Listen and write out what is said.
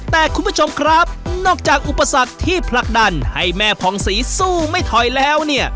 แต่คุณผู้ชมครับนอกจากอุปสรรคที่ผลักดันให้แม่ผ่องศรีสู้ไม่ถอยแล้วเนี่ย